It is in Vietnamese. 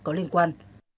có liên quan